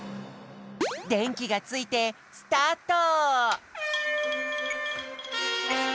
でんきがついてスタート！